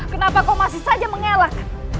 kenapa kau masih saja mengelak